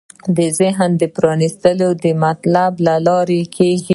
ذهن پرانېستل د مطالعې له لارې کېږي